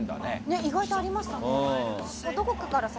意外とありましたね。